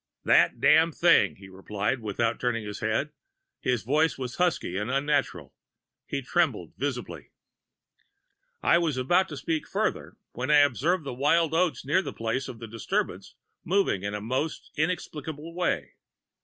"'That Damned Thing!' he replied, without turning his head. His voice was husky and unnatural. He trembled visibly. "I was about to speak further, when I observed the wild oats near the place of the disturbance moving in the most inexplicable way.